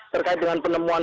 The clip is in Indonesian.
berkait dengan penemuan